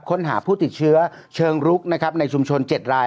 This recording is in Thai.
ค้นหาผู้ติดเชื้อเชิงรุกนะครับในชุมชน๗ลาย